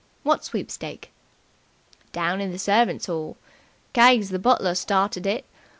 What sweepstake?" "Down in the servants' 'all. Keggs, the butler, started it.